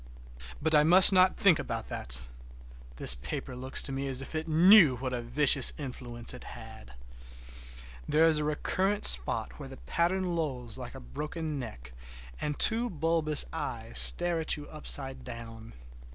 But I must not think about that. This paper looks to me as if it knew what a vicious influence it had! There is a recurrent spot where the pattern lolls like a broken neck and two bulbous eyes stare at you upside down.